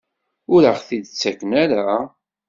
Ur aɣ-t-id-ttaken ara?